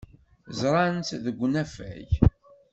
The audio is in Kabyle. Ẓran-tt deg unafag.